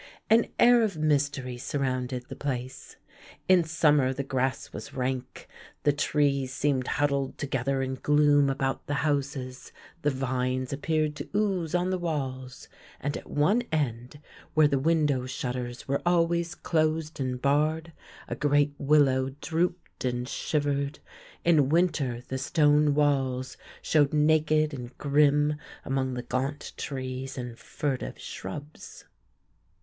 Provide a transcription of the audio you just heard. An air of mystery surrounded the place : in summer the grass was rank, the trees seemed huddled together in gloom about the houses, the vines appeared to ooze on the walls, and at one end, where the window shut ters were always closed and barred, a great willow drooped and shivered ; in winter the stone walls showed naked and grim among the gaunt trees and furtive shrubs.